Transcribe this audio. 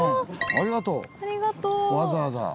ありがとう。